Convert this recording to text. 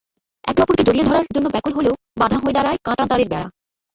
একে অপরকে জড়িয়ে ধরার জন্য ব্যাকুল হলেও বাধা হয়ে দাঁড়ায় কাঁটাতারের বেড়া।